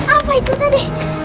apa itu tadi